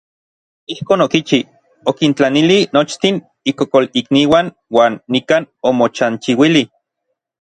Ijkon okichi, okintlanili nochtin ikokolikniuan uan nikan omochanchiuili.